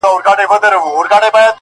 o خلاصوي سړی له دین او له ایمانه,